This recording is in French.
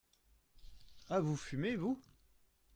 Ah ! vous fumez, vous ?